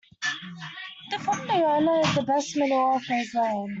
The foot of the owner is the best manure for his land.